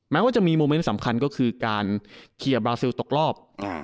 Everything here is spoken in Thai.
ว่าจะมีโมเมนต์สำคัญก็คือการเคลียร์บราซิลตกรอบ